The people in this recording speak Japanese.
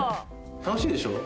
楽しいでしょ？